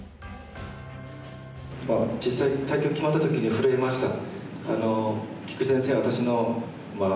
実際対局決まった時に震えました。